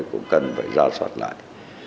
cũng cần phải ra soát lại